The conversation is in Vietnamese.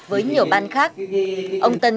với nhiều ban khác ông tân